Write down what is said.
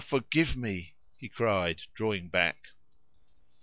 forgive me!" he cried, drawing back.